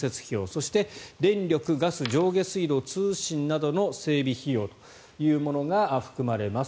そして、電力、ガス上下水道、通信などの整備費用というものが含まれます。